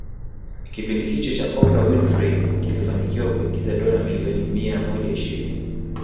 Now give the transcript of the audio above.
Kipindi hicho cha Oprah Winfrey kilifanikiwa kuingiza dola milioni mia moja ishirini